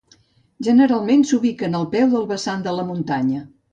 Generalment s'ubiquen al peu del vessant de la muntanya.